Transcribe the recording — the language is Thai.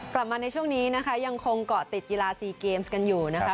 กลับมาในช่วงนี้นะคะยังคงเกาะติดกีฬาซีเกมส์กันอยู่นะคะ